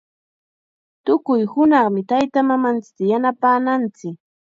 Tukuy hunaqmi taytamamanchikta yanapananchik.